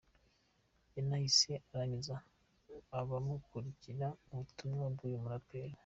Yanahise asangiza abamukurikira ubutumwa bw’uyu muraperi.